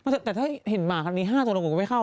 แต่ถ้าให้เห็นหมาอันนี้๕ตัวกลงไปเข้า